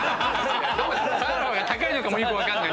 ３アロハが高いのかもよく分かんない。